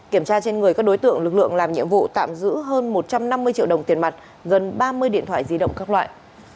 kiểm tra trên người các đối tượng lực lượng làm nhiệm vụ tạm giữ hơn một trăm năm mươi triệu đồng tiền mặt gần ba mươi điện thoại di động các loại